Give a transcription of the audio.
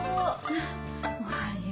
おはよう。